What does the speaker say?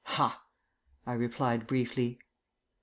"Ha!" I replied briefly.